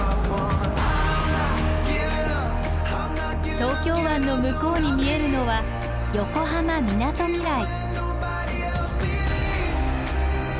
東京湾の向こうに見えるのは横浜みなとみらい。